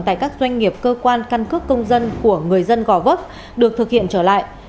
tại các doanh nghiệp cơ quan căn cước công dân của người dân gò vấp được thực hiện trở lại